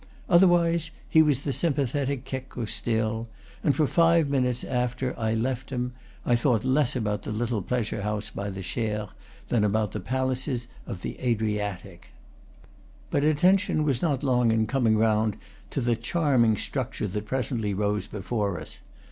However, he was the sympathetic Checco still; and for five minutes after I left him I thought less about the little plea sure house by the Cher than about the palaces of the Adriatic. But attention was not long in coming round to the charming structure that presently rose before us.